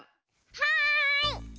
はい！